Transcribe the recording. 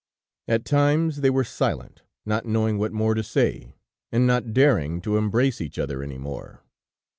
At times they were silent, not knowing what more to say, and not daring to embrace each other any more.